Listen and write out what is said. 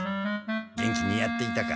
元気にやっていたか。